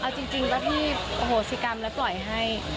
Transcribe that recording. เอาจริงถ้าพี่อโหสิกรรมแล้วปล่อยให้